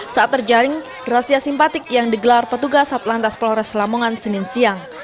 saat terjaring razia simpatik yang digelar petugas atlantas polres lamongan senin siang